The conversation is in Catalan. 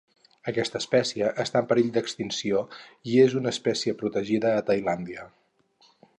Aquesta espècie està en perill d'extinció i és una espècie protegida a Tailàndia.